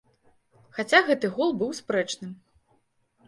Хаця гэты гол быў спрэчным.